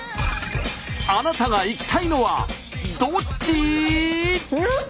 あなたが行きたいのはどっち？